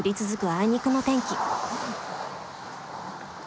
あいにくの天気。